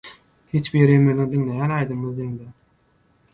Hiç birimiziň diňleýän aýdymymyz deň däl